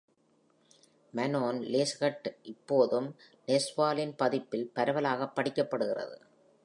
"Manon Lescaut" இப்போதும் நெஸ்வாலின் பதிப்பில் பரவலாகப் படிக்கப்படுகிறது.